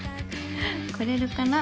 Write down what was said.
来れるかな？